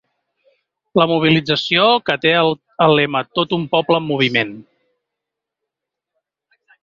La mobilització, que té el lema Tot un poble en moviment.